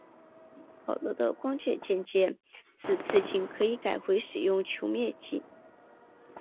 保罗的关键见解是次镜可以改回使用球面镜。